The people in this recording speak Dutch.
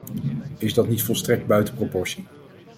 Is dat niet volstrekt buiten proportie?